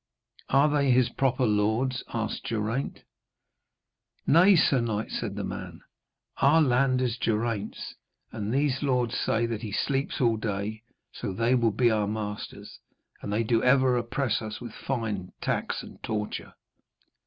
'Are they his proper lords?' asked Geraint. 'Nay, sir knight,' said the man. 'Our land is Geraint's, and these lords say that he sleeps all day, and so they will be our masters. And they do ever oppress us with fine and tax and torture.'